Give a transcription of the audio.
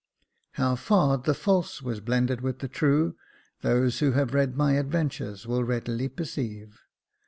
How far the false was blended with the true, those who have read my adventures will readily perceive.